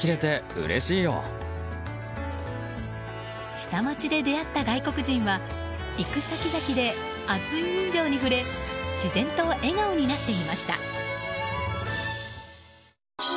下町で出会った外国人は行く先々で厚い人情に触れ自然と笑顔になっていました。